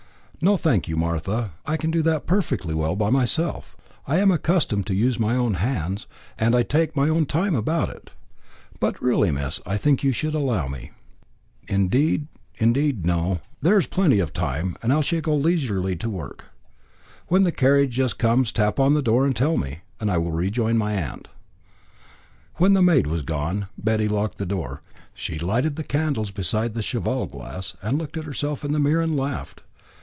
"No, thank you, Martha; I can do that perfectly well myself. I am accustomed to use my own hands, and I can take my own time about it." "But really, miss, I think you should allow me." "Indeed, indeed, no. There is plenty of time, and I shall go leisurely to work. When the carriage comes just tap at the door and tell me, and I will rejoin my aunt." When the maid was gone, Betty locked her door. She lighted the candles beside the cheval glass, and looked at herself in the mirror and laughed.